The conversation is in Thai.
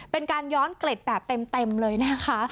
เป็นการย้อนเกล็ดแบบเต็มเลยนะคะ